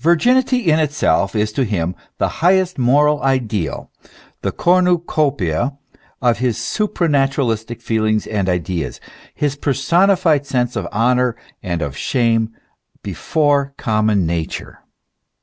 Virginity in itself is to him the highest moral idea, the cornu copies of his supranaturalistic feelings and ideas, his personified sense of honour and of shame before common nature.